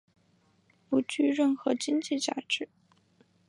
不具任何经济价值。